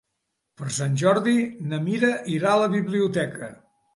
Per Sant Jordi na Mira irà a la biblioteca.